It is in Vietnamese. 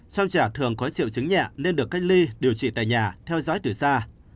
trong trẻ thường có triệu chứng nhẹ nên được cách ly điều trị tại nhà theo dõi từ xa